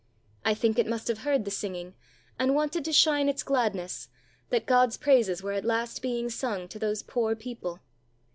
I think it must have heard the singing, and wanted to shine its gladness, that God's praises were at last being sung to those poor people.